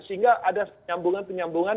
sehingga ada penyambungan penyambungan